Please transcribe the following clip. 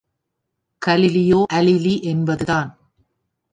Galileo அலீலி என்பது தான்.